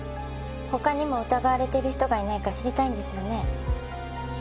他にも疑われている人がいないか知りたいんですよね。